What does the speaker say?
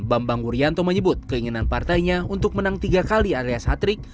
bambang wuryanto menyebut keinginan partainya untuk menang tiga kali alias hat trick